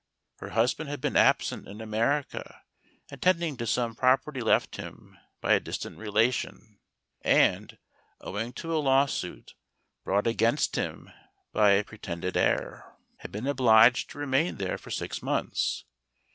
Her husband had been absent in America attending to some prop¬ erty left him by a distant relation; and, owing to a lawsuit brought against him by a pretended heir, had been obliged to remain there for six months.